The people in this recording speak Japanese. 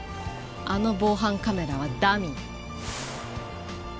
あの防犯カメラはダミー。